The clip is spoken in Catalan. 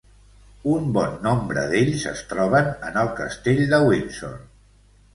Un bon nombre d'ells es troben en el Castell de Windsor.